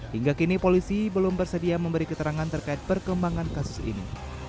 hingga kini polisi belum bersedia memberi keterangan terkait perkembangan kasus ini